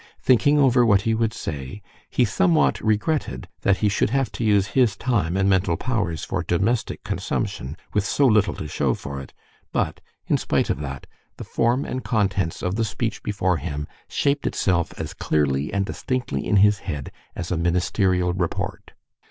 Thinking over what he would say, he somewhat regretted that he should have to use his time and mental powers for domestic consumption, with so little to show for it, but, in spite of that, the form and contents of the speech before him shaped itself as clearly and distinctly in his head as a ministerial report.